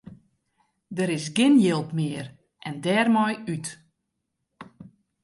Der is gjin jild mear en dêrmei út.